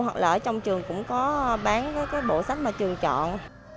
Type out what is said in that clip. hoặc là ở trong trường cũng có bán với cái bộ sách mà trường chọn